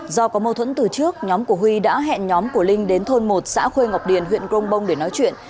do có mâu thuẫn từ trước nhóm của huy đã hẹn nhóm của linh đến thôn một xã khuê ngọc điền huyện grongbong để nói chuyện